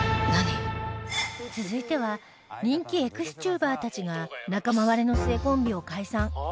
続いては人気 ＥＸｔｕｂｅｒ たちが仲間割れの末コンビを解散